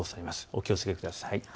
お気をつけください。